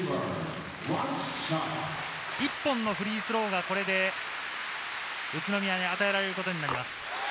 １本のフリースローがこれで宇都宮に与えられることになります。